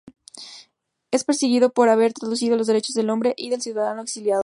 Es perseguido por haber traducido los Derechos del Hombre y del Ciudadano y exiliado.